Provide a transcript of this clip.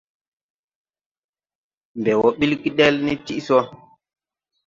Mbɛ wɔ ɓil gedel ni tiʼ so.